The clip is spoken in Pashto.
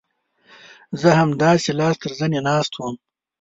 زه همداسې لاس تر زنې ناست وم.